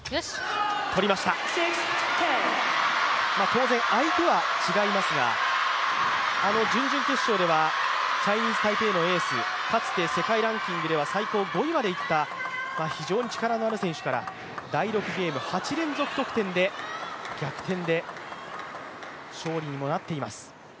当然相手は違いますが、準々決勝ではチャイニーズ・タイペイのエース、かつて世界ランキングでは最高５位まで行った、非常に力のある選手から、第６ゲーム、８連続得点で逆転で勝利にもなっています。